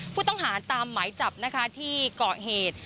ผู้ต้องหาตามหมายจับนะคะที่เกาะเหตุ